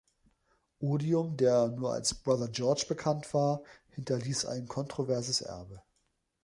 Odium, der nur als „Brother George“ bekannt war, hinterließ ein kontroverses Erbe.